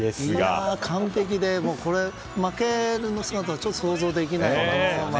完璧で負ける姿がちょっと想像できないですね。